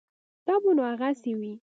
دا به نو هغسې وي.